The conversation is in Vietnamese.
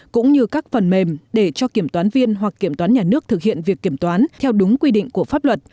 cũng như các phần mềm để cho kiểm toán viên hoặc kiểm toán nhà nước thực hiện việc kiểm toán theo đúng quy định của pháp luật